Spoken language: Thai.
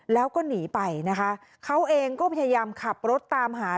แล้วก็หนีไปนะคะเขาเองก็พยายามขับรถตามหา